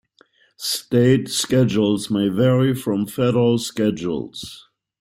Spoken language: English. State schedules may vary from federal schedules.